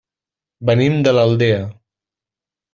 Venim de l'Aldea.